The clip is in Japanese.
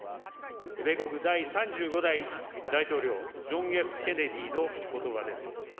米国第３５代大統領、ジョン・Ｆ・ケネディのことばです。